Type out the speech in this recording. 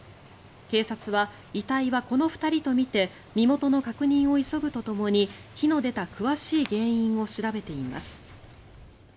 警察は、遺体はこの２人とみて身元の確認を急ぐとともに火の出た詳しい原因を調べています。